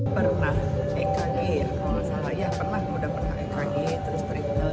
pernah ekg ya kalau saya pernah udah pernah ekg terus kriminal juga gitu nah itulah dari awalnya